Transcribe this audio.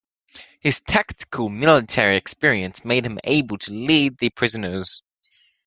His tactical military experience made him able to lead the prisoners.